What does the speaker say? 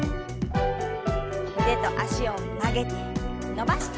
腕と脚を曲げて伸ばして。